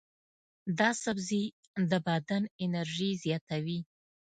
دا سبزی د بدن انرژي زیاتوي.